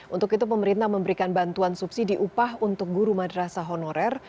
untuk itu pemerintah memberikan bantuan subsidi upah untuk guru madrasah honorer